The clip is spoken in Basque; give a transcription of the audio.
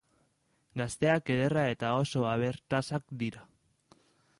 Gazteak, ederrak eta oso abertasak dira.